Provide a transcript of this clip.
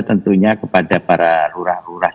tentunya kepada para lurah lurah